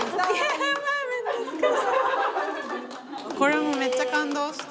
これもめっちゃ感動した。